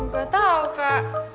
gak tau kak